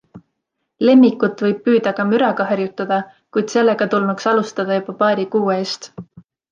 Lemmikut võib püüda ka müraga harjutada, kuid sellega tulnuks alustada juba paari kuu eest.